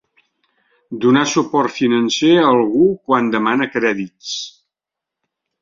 Donar suport financer algú quan demana crèdits.